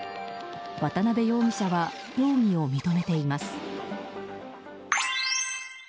渡辺容疑者は容疑を認めています。